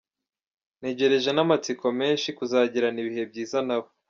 Ntegereje n’amatsiko menshi kuzagirana ibihe byiza na bo.